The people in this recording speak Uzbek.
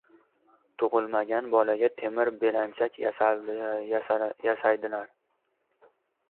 • Tug‘ilmagan bolaga temir belanchak yasaydilar.